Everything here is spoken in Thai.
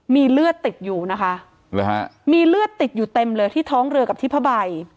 มีเลือดติดอยู่นะคะหรือฮะมีเลือดติดอยู่เต็มเลยที่ท้องเรือกับที่ผ้าใบ